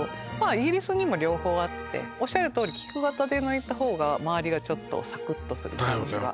イギリスにも両方あっておっしゃるとおり菊型で抜いた方がまわりがちょっとサクッとする感じがええだよね